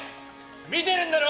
見てるんだろ！